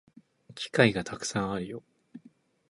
機会がたくさんあるよ